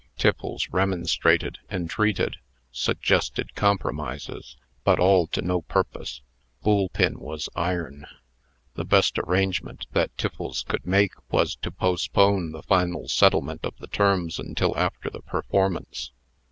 Tiffles remonstrated, entreated, suggested compromises, but all to no purpose. Boolpin was iron. The best arrangement that Tiffles could make, was to postpone the final settlement of the terms until after the performance.